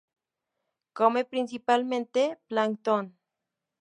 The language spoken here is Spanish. Come principalmente plancton.